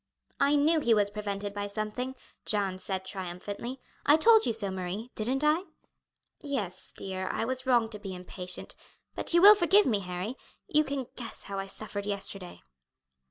"I knew he was prevented by something," Jeanne said triumphantly. "I told you so, Marie didn't I?" "Yes, dear, I was wrong to be impatient; but you will forgive me, Harry? You can guess how I suffered yesterday."